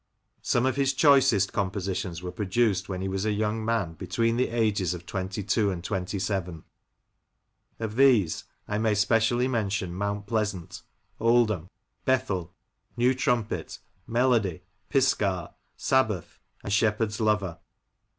Some of his choicest compositions were produced when he was a young man between the ages of twenty two and twenty seven. Of these I may specially mention "Mount Pleasant," "Oldham," James Leach, the Lancashire Composer, 6\ "Bethel," "New Trumpet," "Melody," "Pisgah," "Sabbath," and "Shepherd's Lover."